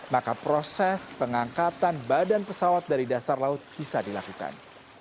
maka proses pengangkatan badan pesawat dari dasar laut bisa dilakukan